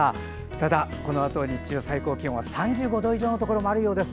ただ、このあと日中、最高気温は３５度以上のところもあるようです。